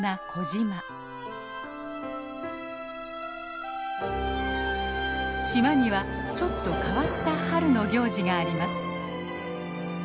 島にはちょっと変わった春の行事があります。